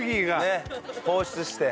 放出して。